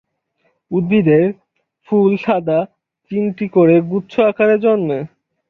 উদ্ভিদের ফুল সাদা, তিনটি করে গুচ্ছ আকারে জন্মে।